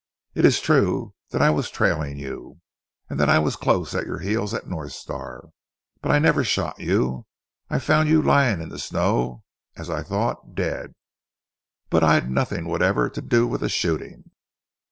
It is true that I was trailing you, and that I was close at your heels at North Star. But I never shot you, I found you lying in the snow, as I thought, dead, but I'd nothing whatever to do with the shooting."